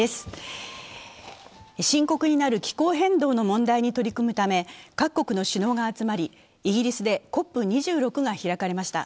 深刻になる気候変動の問題に取り組むため各国の首脳が集まりイギリスでＣＯＰ２６が開かれました。